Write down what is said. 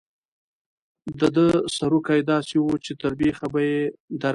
د ده سروکي داسې وو چې تر بېخه به یې درکړي.